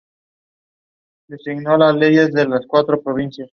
Así, se pueden generar debates e intercambios de información.